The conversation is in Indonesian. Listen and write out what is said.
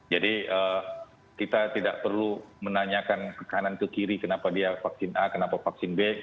jadi kita tidak perlu menanyakan ke kanan ke kiri kenapa dia vaksin a kenapa vaksin b